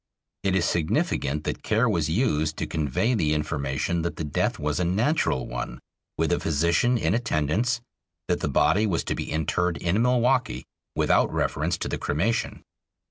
It is significant that care was used to convey the information that the death was a natural one with a physician in attendance; that the body was to be interred in Milwaukee, without reference to the cremation.